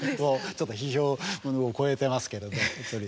ちょっと批評を超えてますけどね。